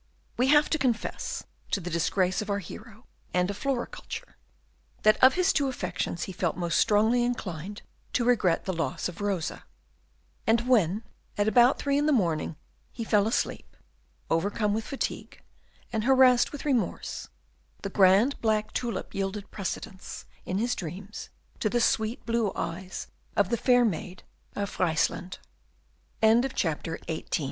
We have to confess, to the disgrace of our hero and of floriculture, that of his two affections he felt most strongly inclined to regret the loss of Rosa; and when, at about three in the morning, he fell asleep overcome with fatigue, and harassed with remorse, the grand black tulip yielded precedence in his dreams to the sweet blue eyes of the fair maid of Friesland. Chapter 19. The Mai